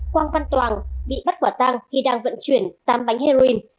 quang văn toàn bị bắt quả tang khi đang vận chuyển tám bánh heroin